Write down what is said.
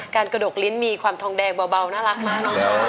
กระดกลิ้นมีความทองแดงเบาน่ารักมากน้อง